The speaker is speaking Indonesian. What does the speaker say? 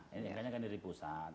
mk nya kan dari pusat